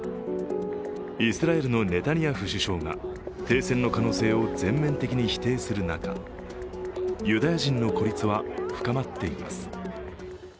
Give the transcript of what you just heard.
イスラエルのネタニヤフ首相が停戦の可能性を全面的に否定する中ユダヤ人の孤立は深まっています。